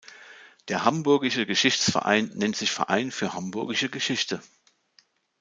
Der hamburgische Geschichtsverein nennt sich Verein für Hamburgische Geschichte.